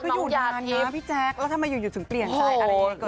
ก็อยู่นานนะพี่แจ๊กแล้วทำไมหยุดถึงเปลี่ยนใจอะไรก็เลยจริง